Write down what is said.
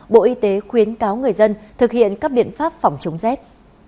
bộ y tế khuyến cáo người dân thực hiện các biện pháp phòng chống rét